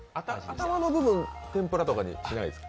頭の部分、天ぷらとかにしないですか？